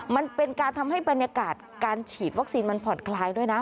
มันเป็นการทำให้บรรยากาศการฉีดวัคซีนมันผ่อนคลายด้วยนะ